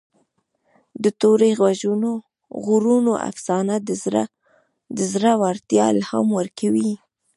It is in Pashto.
د تورې غرونو افسانه د زړه ورتیا الهام ورکوي.